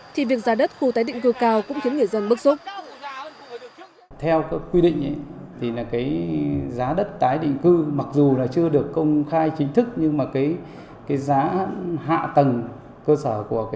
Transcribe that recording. thì việc giá đất khu tái định cư cao cũng khiến người dân bức xúc